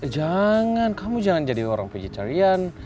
jangan kamu jangan jadi orang vegetarian